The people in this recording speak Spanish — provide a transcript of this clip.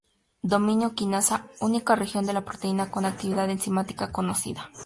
Dominio quinasa: única región de la proteína con actividad enzimática conocida.